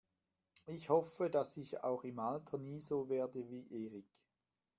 Ich hoffe, dass ich auch im Alter nie so werde wie Erik.